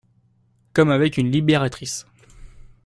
Comme avec une libératrice.